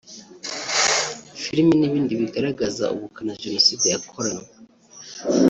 film n’ibindi bigaragaza ubukana Jenoside yakoranywe